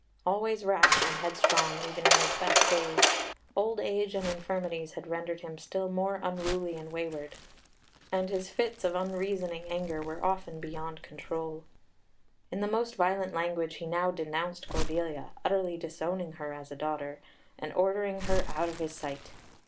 Always rash and headstrong, even in his best days, old age and infirmities had rendered him still more unruly and wayward, and his fits of unreasoning anger were often beyond control. In the most violent language, he now denounced Cordelia, utterly disowning her as a daughter, and ordering her out of his sight.